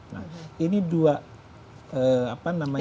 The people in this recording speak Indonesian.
nah ini dua apa namanya